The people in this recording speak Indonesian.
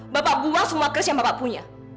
bapak buang semua kers yang bapak punya